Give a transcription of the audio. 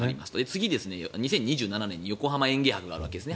次、２０２７年に横浜園芸博があるわけです。